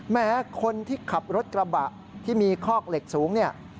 แม้คนที่ขับรถกระบะที่มีคอกเหล็กสูงเนี่ย